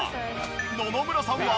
野々村さんは。